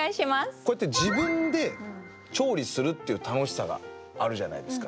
こうやって自分で調理するっていう楽しさがあるじゃないですか。